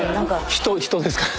人人ですから。